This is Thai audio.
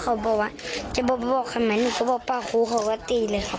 เขาบอกว่าจะบอกไม่บอกทางไหนผมก็บอกว่าครูเขาก็ตีเลยครับ